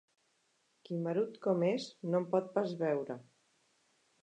Quimerut com és, no em pot pas veure.